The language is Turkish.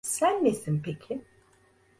Sen nesin peki?